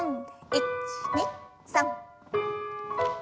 １２３。